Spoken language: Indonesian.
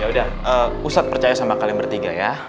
yaudah ustadz percaya sama kalian bertiga ya